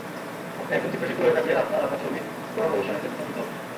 আপনি একজন চিত্রশিল্পী হয়ে থাকলে আপনার আঁকা ছবি কোনো প্রদর্শনীতে প্রশংসিত হবে।